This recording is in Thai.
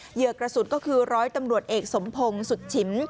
เหยื่อกระสุนก็คือร้อยตำรวจเอกสมพงศ์สุดฉิม